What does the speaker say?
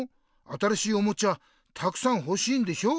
新しいおもちゃたくさんほしいんでしょ？